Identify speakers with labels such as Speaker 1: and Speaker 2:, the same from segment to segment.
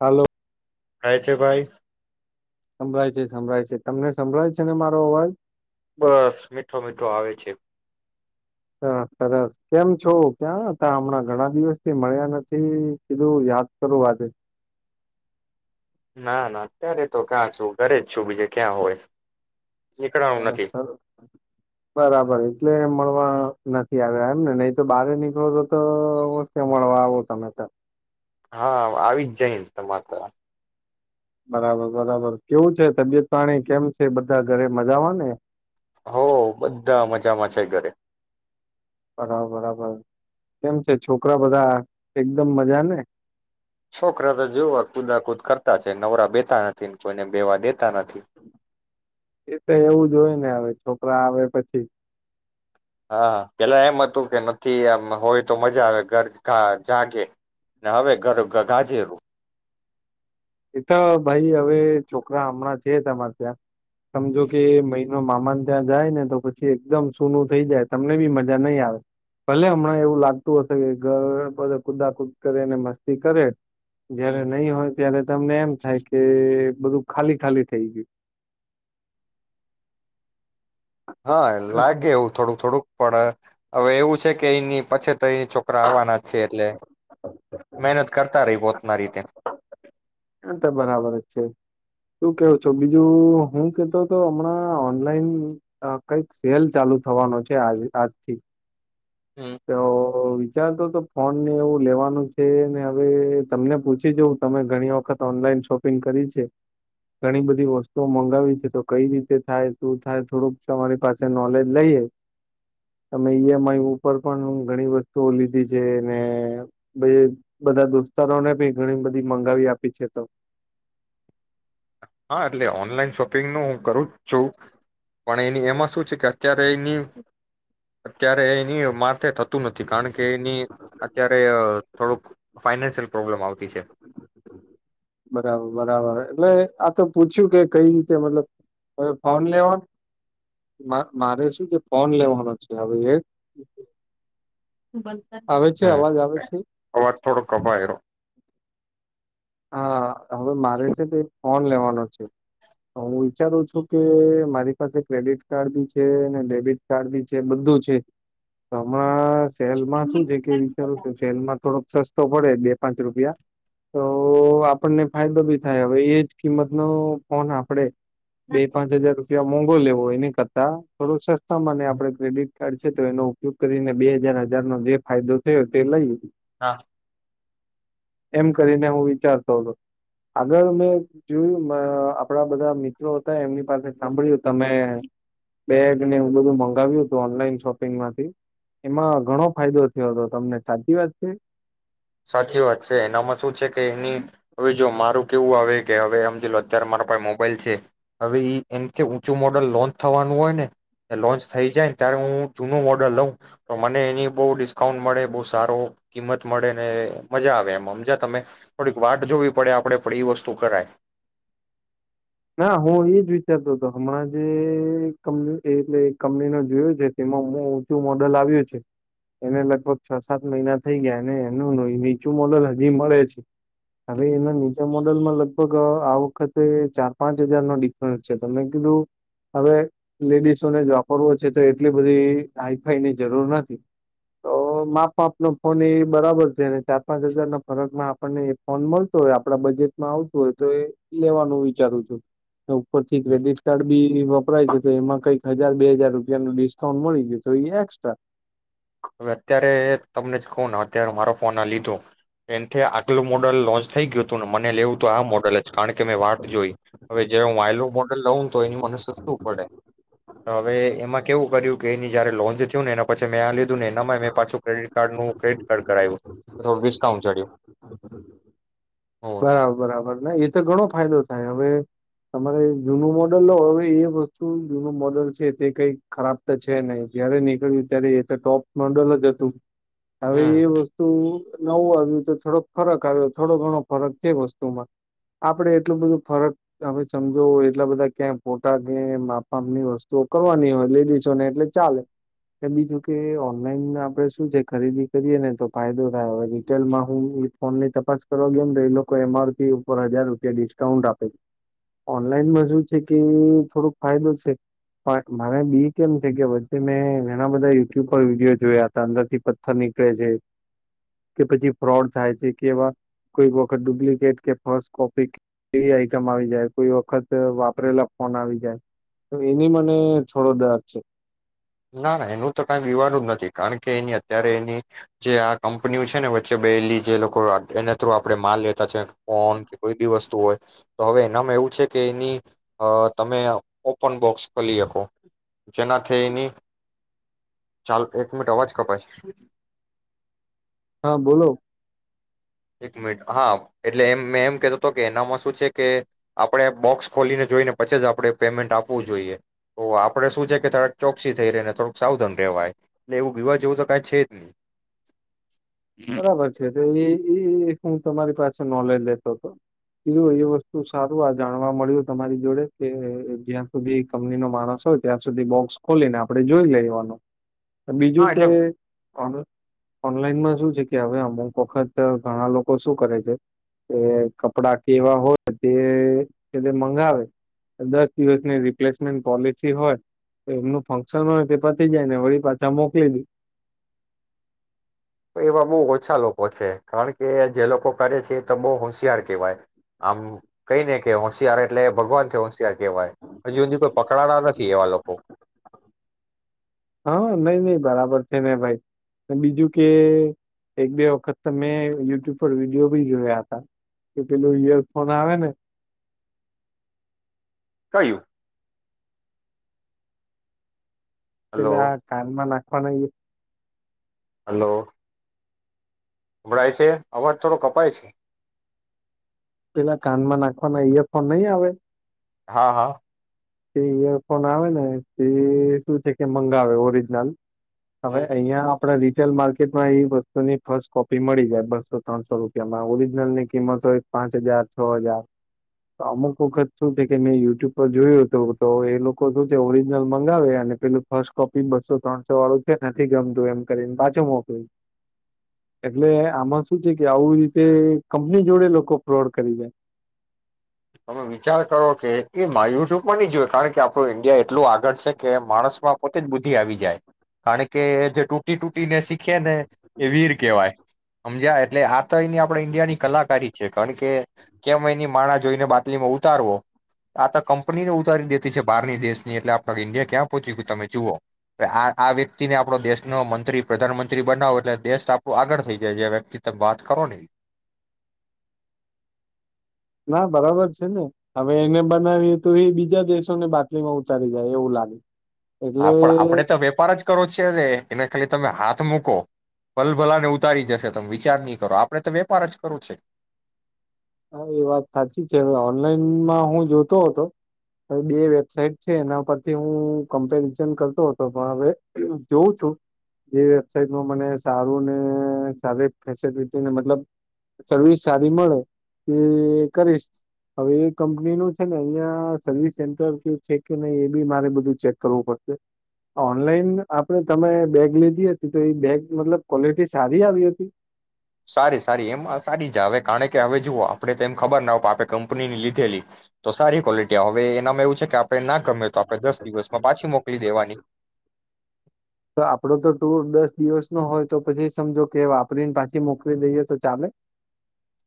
Speaker 1: હાલો.
Speaker 2: થાય છે ભાઈ?
Speaker 1: સંભળાય છે, સંભળાય છે, તમને સંભળાય છે ને મારો અવાજ?
Speaker 2: બસ, મીઠો મીઠો આવે છે.
Speaker 1: સરસ સરસ કેમ છો? ક્યાં હતા? હમણાં ઘણા દિવસ થી મળ્યા નથી? કીધું યાદ કરું આજે.
Speaker 2: ના, ના, અત્યારે તો ક્યાં છું, ઘરે જ છું, બીજે ક્યાં હોય? નીકળાણું
Speaker 1: સરસ
Speaker 2: નથી
Speaker 1: સરસ, બરાબર એટલે મળવા નથી આવ્યા એમ ને? નઈ તો બારે નીકળો તો તો અવશ્ય મળવા આવો તમે તો.
Speaker 2: હા, આવી જ જઈએ તમાર તાં.
Speaker 1: બરાબર, બરાબર, કેવું છે તબિયત પાણી? કેમ છે બધા ઘરે મજામાં ને?
Speaker 2: હઉ, બધા મજામાં છેય ઘરે.
Speaker 1: બરા બરાબર, કેમ છે છોકરા બધા એકદમ મજા ને?
Speaker 2: તા છે, નવરા બેતા અથી ને જોઈને
Speaker 1: એ તો એવું જ હોય ને અવે. છોકરા આવે પછી.
Speaker 2: હા. પેલા એમ અતું કે નથી આમ હોય તો મજા આવે, ઘર ખા જાગે, ને અવે ઘર ગાજેરું.
Speaker 1: એ તો ભઈ અવે છોકરા હમણાં છે તમાર ત્યાં. સમજો કે મહિનો મા માન ત્યાં જાય ને તો પછી એકદમ સૂનું થઈ જાય, તમને બી મજા નઈ આવે, ભલે અમણાં એવું લાગતું અશે કે ઘર [unintelligible] કુદા કુદ કરે ને મસ્તી કરે. જયારે નઈ હોય ત્યારે એમ થાય કે બધું ખાલી ખાલી થઈ ગયું.
Speaker 2: હા, લાગે એવું થોડું -થોડું. પડે, અવે એવું છે કે એની પછીત તો એ છોકરા આવવાના જ છે એટલે મેનત કરતા રઈ પોતના રીતે.
Speaker 1: હાં, તો બરાબર જ છે, શું કેવો છો બીજુ? હું કેતો તો અમણાં ઓનલાઈન કંઈક સેલ ચાલુ થવાનો છે આજ આજથી.
Speaker 2: હમ
Speaker 1: તો વિચારતો તો ફોન ને એવું લેવાનું છે ને અવે તમને પૂછી જોઉં, તમે ઘણી વખત ઓનલાઈન શોપિંગ કરી છે, ઘણી બધી વસ્તુઓ મંગાવી છે, તો કઈ રીતે થાય, શું થાય? થોડુંક તમારી પાસે નોલેજ લઈએ, તમે ઈ એમ આઈ ઉપર પણ ઘણી વસ્તુઓ લીધી છે ને [unintelligible] બધા દોસ્તારોને બી ઘણી બધી મંગાવી આપી છે તો
Speaker 2: હાં, એટલે ઓનલાઈન શોપિંગનું હું કરું જ છું, પણ એની એમાં શું છે કે અત્યારે એની અત્યારે એની માથે થ તુ નથી, કાણ કે એની અત્યારે અ થોડુંક ફાઈનાન્શિયલ પ્રોબ્લેમ આવતી છે.
Speaker 1: બરાબર, બરાબર, એટલે આ તો પૂછ્યું કે કઈ રીતે મતલબ અવે ફોન લેવા મા મારે શું કે ફોન લેવાનો છે હવે એક. આવે છે
Speaker 2: હં,
Speaker 1: અવાજ આવે છે
Speaker 2: અવાજ થોડો કપાયો.
Speaker 1: હાં. હવે મારે છે તે ફોન લેવાનો હું વિચારું છું કે મારી પાસે ક્રેડિટ કાર્ડ ભી છે ને ડેબિટ કાર્ડ ભી છે બધું છે, તો હમણાં સેલમાં શું છે કે વિચારું કે સેલમાં થોડોક સ તો પડે બે પાંચ રૂપિયા. તો તો આપણને ફાયદો બી થાય હવે એ. કિંમતનો કોન આપડે? બે પાંચ હજાર રૂપિયા મોંઘુ લેવો એની કરતા થોડું સસ્ત હા મને આપેડે ક્રેડિટ કાર્ડ છે તો એનો ઉપયોગ. કરીને બે હજાર હજાર નો જે ફાયદો થયો તે લઈ
Speaker 2: હા.
Speaker 1: એમ કરી હું વિચારતો હતો આગળ મે જોયું મારાં આપણા બધા મિત્રો હતા એમની પાસે સાંભળ્યું તમે બેગને એવુ બધું મંગાવ્યું હતું ઓનલાઈન શોપિંગમાંથી એમાં ઘણો ફાયદો થયો હતો તમને સાચી વાત છે?
Speaker 2: સાચી વાત છે એનામાં શું છે કે એની હવે જો મારું કેવું આવે કે હવે હમજી લો ત્યારે મારા પાહે મો મોબાઈલ છે હવે ઇ એનથી ઊંચું મોડલ લોન્ચ થવાનું હોયને લોન્ચ થઈ જાયને ત્યારે હું જૂનું મોડલ લઉં પણ મને એની બહુ ડિસ્કાઉન્ટ મળે બહુ સારો કિંમત મળે. અને મજા આવે એમ હમજા તમે, થોડીક વાટ જોવી પડે આપડે પણ ઇ વસ્તુ કરાય.
Speaker 1: ના હું ઇજ વિચારતો હતો હમણાં જે કંપની એટલે કંપની જોયો છે તેમાં ઊંચું મોડલ આવ્યું છે એને લગભગ છ સાત મહિના થઈ ગયા અને એનું નીચું મોડલ હજી મળે છે. હવે એના નીચા મોડલમાં લગભગ આ વખતે ચાર પાંચ હજાર નો ડિફરન્સ છે તો મે કીધું હવે લેડીસોને જ વાપરવો છે તો એટલી બધી હાઈફાઈની જરૂર નથી તો માપમાપનો ફોન એ બરાબર છે. ચાર પાંચ હજાર ના ફરકમાં આપ આપણને એ ફોન મળતો હોય આપણા બજેટમાં આવતું હોય તો એ લેવાનું વિચારૂ છુ. તો. ઉપર થી ક્રેડિટ કાર્ડ બી ઇ વપરાય છે તો એમાં કંઈક હજાર બે હજાર રૂપિયાનુ ડિસ્કાઉન્ટ મળી જાય તો એ એક્સ્ટ્રા.
Speaker 2: હવે અત્યારે તમને જ કહું ને અત્યારે મારો ફોન આ લીધો એનથી આગલું મોડલ લોન્ચ થઈ ગયું હતું ને મને લેવું તો આ મોડલ જ કારણ કે મેં વાટ જોઈ હવે જે હું આઈલુ મોડલ લઉં તો એ મને સસ્તું પડે હવે એમાં કેવું કર્યું કે એની જયારે લોન્ચ થયું ને એના પછી મેં લીધું ને અનામાય પાછું મેં ક્રેડિટ કાર્ડ નું ક્રેડિટ કાર્ડ કરાવ્યું તો થોડું ડિસ્કાઉન્ટ જડ્યું.
Speaker 1: બરાબર આપણને એ તો ઘણો ફાયદો થાય હવે તમારે જૂનું મોડલ લો હવે એ વસ્તુ જૂનું મોડલ છે તે કઈક ખરાબ તો છે નહી જયારે નીકળ્યું ત્યારે એ તો ટોપ મોડલ જ હતું. હવે એ
Speaker 2: હમ
Speaker 1: વસ્તુ નવું આવ્યું તો થોડોક ફરક આવ્યો થોડો ઘણો ફરક છે વસ્તુમાં. આપડે એટલું બધું ફરક હવે સમજો એટલા બધા ક્યાંય ફોટા કે માપમાપની વસ્તુઓ કરવાની હોય લેડીસોને એટલે ચાલે કે બીજું કે ઓનલાઈન આપડે શું છે જે ખરીદી કરીએ ને તો ફાયદો થાય. હવે રિટેલ માં હું ફોન ની તપાસ કરવા ગ્યોને એ લોકો એમ આર પી ઉપર હજાર રૂપિયા ડિસ્કાઉન્ટ આપે છે. ઓનલાઈનમાં શું છે કે થોડોક ફાયદો છે. પણ માને બી કેમ છે કે વચ્ચે મેં ઘણા બધા યુટ્યુબ પર વિડીયો જોયા હતા અંદરથી પથ્થર નીકળે છે કે પછી ફ્રોડ થાય છે કે એવા કોઈક વખત ડુપ્લકેેટ કે ફર્સ્ટ કોપી એવી આઈટમ આવી જાય કોઈ વખત વાપરેલા ફોન આવી જાય. એની મને થોડો ડર છે.
Speaker 2: ના ના એનું તો કઈ બીવાનું જ નથી કારણ કે એની અત્યારે એની જે આ કંપનીઓ છે ને વચ્ચે બેહેલી જે લોકો એના થ્રુ આપણે માલ લે આપતા છે કોન કે કોઈ બી વસ્તુ હોય તો હવે એનામાં એવું છે કે એની અહ તમે ઓપન બોક્સ કરીલી શકો જેનાથી એની ચાલ એક મિનિટ અવાજ કપાય છે.
Speaker 1: હા બોલો.
Speaker 2: એક મિનિટ હા એટલે એમ મેં એમ કતો હતો કે એનામાં શું છે કે આપડણે બોક્સ ખોલીને જોઈને પછી જ આપણે પેમેન્ટ આપવું જોઈએ, તો આપડે શું છે કે થોડાક ચોક્સી થઈ ર ને થોડુંક સાવધાન રહેવાય એટલે એવું બીવા જેવું તો કઈ છે જ નહી.
Speaker 1: બરાબર છે [unintelligible] એ હું તમારી પાસે નોલેજ લેતો હતો કીધું એ વસ્તુ સારું આ જાણવા મળ્યું તમારી જોડે કે જ્યાં સુધી કંપની નો માણસ હોય ત્યાં સુધી બોક્સ ખોલીને આપડ જોઈ લેવાનો.
Speaker 2: હા
Speaker 1: બીજું કે,
Speaker 2: એટલે
Speaker 1: ઓન ઓનલાઈનમાં શું એ ક્યાં હોય અમુક વખત ઘણા લોકો શું કરે છે કે કપડા કેવા હોય તે તેને મંગાવે દસ દિવસની રિપ્લેસમેન્ટ પોલસી હોય એમનું ફક્શન હોય તે પતી જાયને વળી પાછા મોકલી દે.
Speaker 2: એવા બહુ ઓછા લોકો છે કારણ કે જે લોકો કરે છે એ તો બહુ હોશિયાર કહેવાય, આમ કઈને કે હોશિયાર એટલે ભગવાન થી હોશિયાર કહેવાય હજુ સુધી કોઈ પકડાડા નથી એવા લોકો.
Speaker 1: હા નઈ નઈ બરાબર છે ને ભાઈ બીજું કે એક-બે વખત તો મેં યુટ્યુબ પર વિડીિયો ભી જોયા હતા કે પેલું ઈયરફોન આવે ને
Speaker 2: કયું? હલો
Speaker 1: પેલા આ કાનમાં ના પણ [inaudible]
Speaker 2: હલો અભળાય છે અવાજ થોડો કપાય છે.
Speaker 1: પેલા કાનમાં નાખવાના ઈયરફોન નહી આવે.
Speaker 2: હા હા
Speaker 1: તે ઈયરફોન આવે ને તે શું છે કે મંગાવે ઓરિજિનલ હવે
Speaker 2: હમ
Speaker 1: અઈયા આપણે રીટેલ માર્કેટમાં એ વસ્તુની ફર્સ્ટ કોપી મળી જાય બસો ત્રણસો રૂપિયામાં ઓરિજિનલ ની કિંમત હોય પાંચ હજાર છ હજાર ત અમુક વખત શું છે કે મેં યુટ્યુબ પર જોયું તો એ લોકો શું છે ઓરિજનલ મંગાવે અને પેલું ફર્સ્ટ કોપી બસો ત્રણસો વાળું છે નથી ગમતું એમ કરીને પાછો મોકલ એટલે આમાં શું છે કે આવું રીતે કંપની જોડે લોકો ફ્રોડ કરી જાય.
Speaker 2: તમે વિચાર કરો કે એ માયુટ્યુબ પણ ન જોય કારણ કે આપણું ઈન્ડિયા એટલું આગળ છે કે માણસમાં પોતે જ બુદ્ધિ આવી જાય કારણ કે જે તૂટી તૂટીને શીખે ને એ વીર કહેવાય હમજાય એટલે આ તયની આપણે ઈન્ડિયા ની કલાકારી છે કણ કે- કેમ એની માણા જોઈને બાટલીમાં ઉતારવો આ તો કંપનીને ઉતારી દેતી છે બહારની દેશની એટલે આપ ઈન્ડિયા ક્યાં પહોંચી ગું તમે જુઓ આ આ વ્યક્તિને આપણો દેશનો મંત્રી પ્રધાનમંત્રી બનાવો એટલે દેશ આપણું આગળ થઈ જાય જે વ્યક્તિ તમે બાત કરો ને.
Speaker 1: હા બરાબર છે ને, હવે એને બનાવીએ તો એ બીજા દેશોને બાતલીમાં ઉતારી જાય એવું લાગે.
Speaker 2: હા
Speaker 1: એટલે
Speaker 2: પણ આપડે તો વેપાર જ કરો છે એને ખાલી તમે હાથ મૂકો ભલ ભલા ને ઉતારી જશે તમે વિચાર નહી કરો આપડે તો વેપાર જ કરો છે.
Speaker 1: હા એ વાત સાચી છે હવે ઓનલાઈનમાં હું જોતો હતો હ બે વેબસાાઈટ છે એના પરથી હું કમ્પેરિજન કરતો હતો પણ હવે જોઉં છું એ વેબસાાઈટમાં મને સારું ને સારી ફેસલિટીને મતલબ સર્વિસ સારી મળે. એ કરીશ હવે એ કંપનીનું છે ને અહિયાં સર્વિસ સેન્ટર કે છે કે નહી એ બી મારે બધું ચેક કરવું પડશે. ઓનલાઈન આપણે તમે બેગ લીધી હતી તેવી બેગ મતલબ ક્વોલિટી સારી આવી હતી?
Speaker 2: સારી સારી એમ સારી જ હ કારણ કે હવે જુઓ આપડે તો એમ ખબર ના હો આપે કંપનીની લીધેલી તો સારી ક્વોલિટી હવે એનામાં એવ છે કે આપણે ના ગમે તો આપણે દસ દિવસમાં પાછી મોકલી દેવાની
Speaker 1: તો આપડો તો ટુર દસ દિવસ નો હોય તો પછી સમજો કે વાપરીને પાછી મોકલી દઈએ તો ચાલે?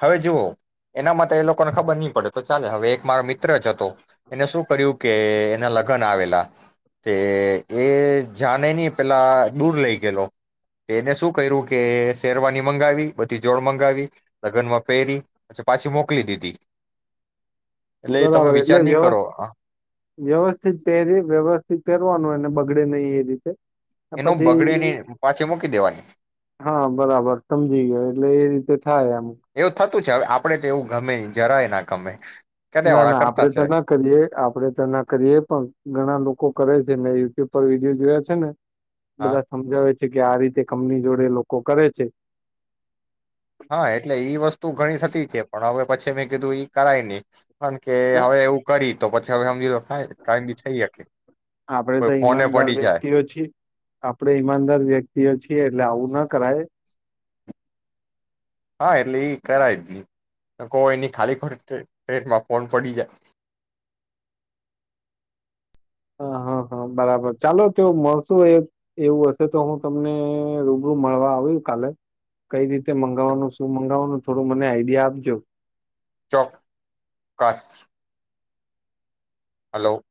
Speaker 2: હવે જુઓ, એના માટે તો એ લોકોને ખબર નહી પડે તો ચાલે હવે એક મારો મિત્ર જ હતો એને શું કર્યું કે એના લગન આવેલા તે એ જાણે નહી પેલા દૂર લઈ ગયેલો એને શું કર્યું કે શેરવાની મંગાવી બધી જોડ મંગાવી લગનમાં પેરી પછી પાછી મોકલી દીધી. એટલે તમે
Speaker 1: બરાબર, એટલે
Speaker 2: વિચાર નહી
Speaker 1: વ્યવસ
Speaker 2: કરો
Speaker 1: વ્યવસ્થિત પેરી વ્યવસ્થિત પહેરવાનું એને બગડે નહી એ. રીતે
Speaker 2: એનો બગડે
Speaker 1: પછી,
Speaker 2: ની પાછી મૂકી દેવાની
Speaker 1: હા બરાબર સમજી ગયો એટલે એ રીતે થાય આમ
Speaker 2: તું છે અવે આપડે તો એવું ગમે ઈ જરાય ના ગમે. કર્યા
Speaker 1: ના
Speaker 2: વાળા
Speaker 1: ના,
Speaker 2: કરતા
Speaker 1: આપડે તો
Speaker 2: છે
Speaker 1: ના કરીએ, આપડે તો ના કરીએ પણ, ઘણા લોકો કરે છે ને એ ઉપર વિડીયો જોયા છે ને
Speaker 2: હા
Speaker 1: બધા સમજાવે છે. કે કે આ રીતે કંપની જોડે લોકો કરે છે
Speaker 2: હા એટલે ઈ વસ્તુ ઘણી થતી છે પણ હવે પછી મેં કીધું ઈ કરાય નહીં. કારણ કે
Speaker 1: ના
Speaker 2: હવે એવું કરી તો પછી હવે હમજી લો કાયમી થઈ શકે
Speaker 1: આપડે તો
Speaker 2: કોઈ ફોને
Speaker 1: ઈમાનદાર
Speaker 2: પડી જાય
Speaker 1: વ્યક્તિઓ છીએ. આપડે ઈમાનદાર વ્યક્તિઓ છીએ એટલે આવું ના કરાય.
Speaker 2: હા એટલે ઈ કરાય જ નઈ. કો એની ખાલી ટ્રે ટ્રેનમાં ફોન પડી જાય.
Speaker 1: હા-હા-હા બરાબર, ચાલો તો મળશું એ એવું હશે તો હું તમને રૂબરૂ મળવા આવું કાલે, કઈ જ મંગાવવાનું શું મંગાવવાનું થોડું મને આઈડિયા આપજો.
Speaker 2: ચોક કસ. હલો.